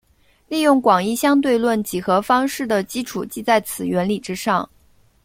利用广义相对论几何方式的基础即在此原理之上。